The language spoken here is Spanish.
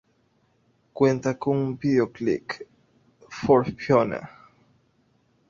Cuenta con un videoclip "For Fiona".